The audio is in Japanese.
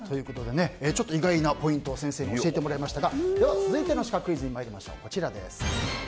ちょっと意外なポイントを先生に教えてもらいましたが続いてのシカクイズにまいりましょう。